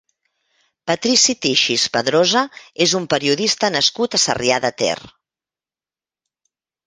Patrici Tixis Padrosa és un periodista nascut a Sarrià de Ter.